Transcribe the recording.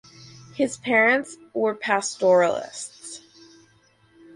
His parents were pastoralists.